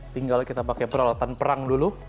tinggal kita pakai peralatan perang dulu